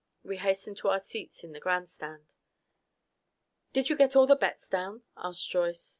We hastened to our seats in the grandstand. "Did you get all the bets down?" asked Joyce.